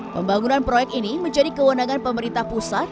pembangunan proyek ini menjadi kewenangan pemerintah pusat